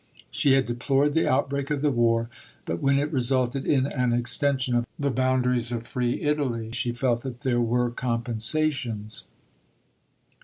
She had deplored the outbreak of the war, but when it resulted in an extension of the boundaries of free Italy she felt that there were compensations.